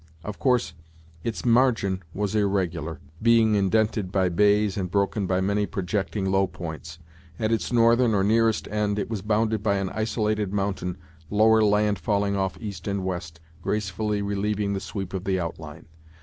Of course, its margin was irregular, being indented by bays, and broken by many projecting, low points. At its northern, or nearest end, it was bounded by an isolated mountain, lower land falling off east and west, gracefully relieving the sweep of the outline.